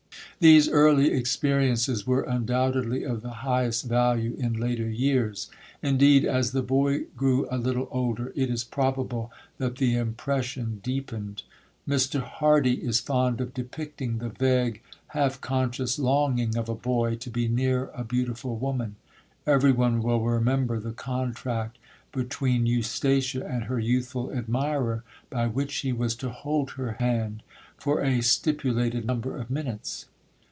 These early experiences were undoubtedly of the highest value in later years; indeed, as the boy grew a little older, it is probable that the impression deepened. Mr. Hardy is fond of depicting the vague, half conscious longing of a boy to be near a beautiful woman; everyone will remember the contract between Eustacia and her youthful admirer, by which he was to hold her hand for a stipulated number of minutes.